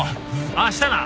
明日な。